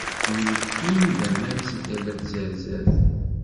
Myeffin-d aman si tala n tzerzert.